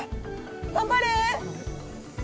頑張れ！